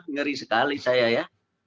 ngeri sekali saya ya